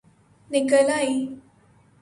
نکل آئ